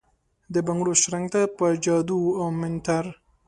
دبنګړو شرنګ ته ، په جادو اومنتر ،